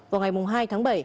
vào ngày hai tháng bảy